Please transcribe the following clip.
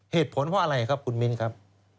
เหตุผลเพราะอะไรครับคุณมิ้นครับ